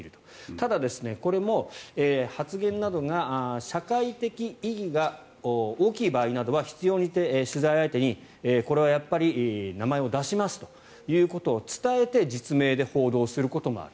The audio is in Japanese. ただ、これも発言などが社会的意義が大きい場合などは必要に応じて取材相手にこれはやっぱり名前を出しますということを伝えて実名で報道することもある。